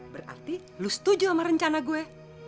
berarti lu setuju sama rencana gue